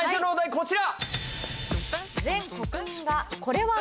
こちら。